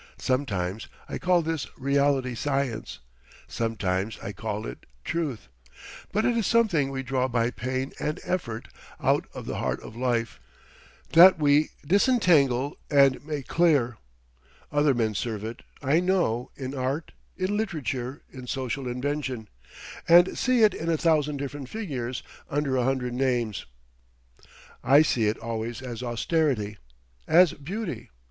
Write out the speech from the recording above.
Sometimes I call this reality Science, sometimes I call it Truth. But it is something we draw by pain and effort ont of the heart of life, that we disentangle and make clear. Other men serve it, I know, in art, in literature, in social invention, and see it in a thousand different figures, under a hundred names. I see it always as austerity, as beauty.